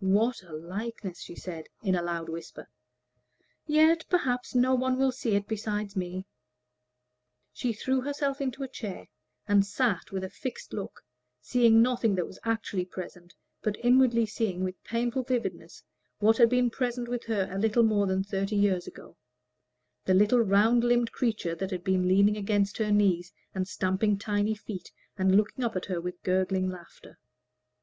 "What a likeness!" she said, in a loud whisper; "yet, perhaps, no one will see it besides me." She threw herself into a chair, and sat with a fixed look, seeing nothing that was actually present, but inwardly seeing with painful vividness what had been present with her a little more than thirty years ago the little round limbed creature that had been leaning against her knees, and stamping tiny feet, and looking up at her with gurgling laughter.